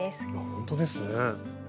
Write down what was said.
ほんとですね。